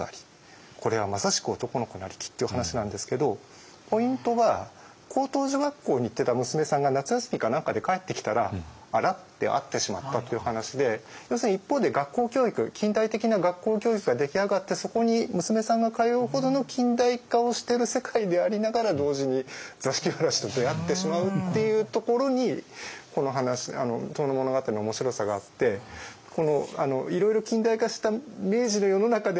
これはまさしく男の児なりき」っていう話なんですけどポイントは高等女学校に行ってた娘さんが夏休みかなんかで帰ってきたらあら？って会ってしまったっていう話で要するに一方で学校教育近代的な学校教育が出来上がってそこに娘さんが通うほどの近代化をしてる世界でありながら同時に座敷わらしと出会ってしまうっていうところにこの話「遠野物語」の面白さがあって並立してる。